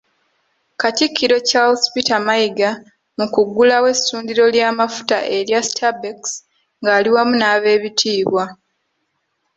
Katikkiro Charles Peter Mayiga mu kuggulawo essundiro ly'amafuta erya Stabex ng'ali wamu n'Abeebitiibwa.